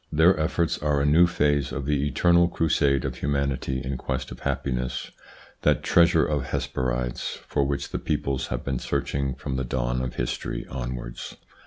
Their efforts are a new phase of the eternal crusade of humanity in quest of happiness, that treasure of Hesperides for which the peoples have been searching from the dawn of history onwards.